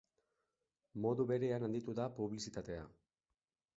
Modu berean handitu da publizitatea.